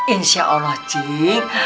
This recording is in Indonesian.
insya allah cing